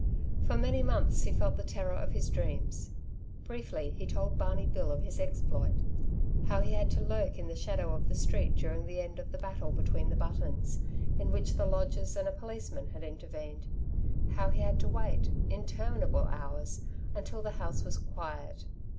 For many months he felt the terror of his dreams. Briefly he told Barney Bill of his exploit. How he had to lurk in the shadow of the street during the end of a battle between the Buttons, in which the lodgers and a policeman had intervened. How he had to wait interminable hours until the house was quiet.